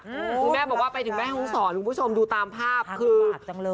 คือแม่บอกว่าไปถึงแม่ห้องศรคุณผู้ชมดูตามภาพคือปากจังเลย